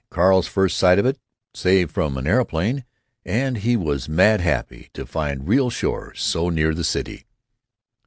Carl's first sight of it, save from an aeroplane, and he was mad happy to find real shore so near the city.